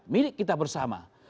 milik kita bersama